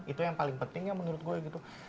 itu yang paling pentingnya menurut gue gitu